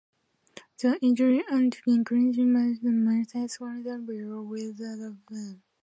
The elderly and reclusive landlady, Mrs Bartholomew, lives above them.